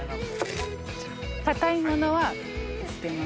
硬いものは捨てます。